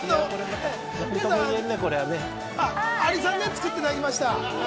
アリさんを作っていただきました。